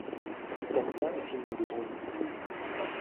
T'aimes bien les films de zombies ?